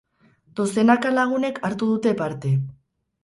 Dozenaka lagunek hartu dute parte.